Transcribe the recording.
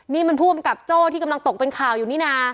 นี่มันผู้กำกับโจ้ที่กำลังตกเป็นข่าวอยู่นี่นะ